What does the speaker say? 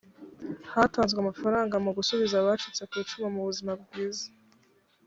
hatanzwe amafaranaga mu gusubiza abacitse ku icumu mu buzima bwiza.